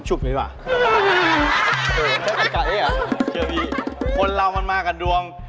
เจอมีคนเรามันมากับดวง